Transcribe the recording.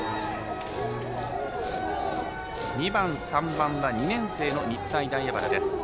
２番、３番が２年生の日体大荏原です。